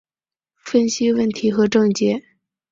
分析问题和症结